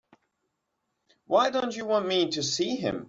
Why don't you want me to see him?